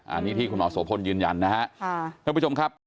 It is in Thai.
อันนี้ที่คุณหมอโสพลยืนยันนะฮะท่านผู้ชมครับ